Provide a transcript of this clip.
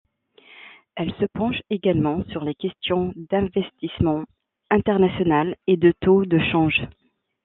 Elle se penche également sur les questions d'investissement international et de taux de change.